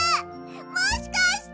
もしかして！